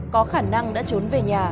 có khả năng đã trốn về nhà